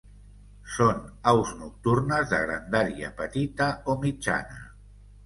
Són aus nocturnes de grandària petita o mitjana.